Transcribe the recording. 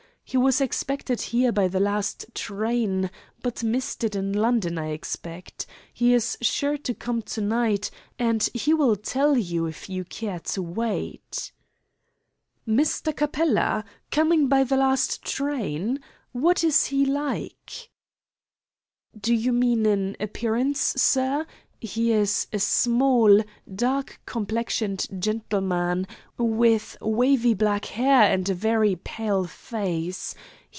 "He was expected here by the last train, but missed it in London, I expect. He is sure to come to night, and he will tell you, if you care to wait." "Mr. Capella! Coming by the last train! What is he like?" "Do you mean in appearance, sir? He is a small, dark complexioned gentleman, with wavy black hair and a very pale face.